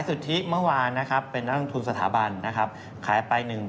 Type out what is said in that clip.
ซึ่งจริงตัวเลขที่น่าติดตามดีตัวหนึ่งก็คือ